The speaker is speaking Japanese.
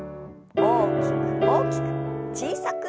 大きく大きく小さく。